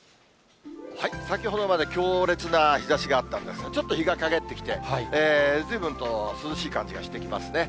先ほどまで強烈な日ざしがあったんですが、ちょっと日が陰ってきて、ずいぶんと涼しい感じがしてきますね。